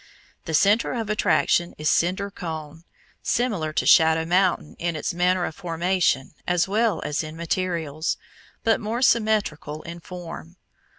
The centre of attraction is Cinder Cone, similar to Shadow Mountain in its manner of formation as well as in materials, but more symmetrical in form.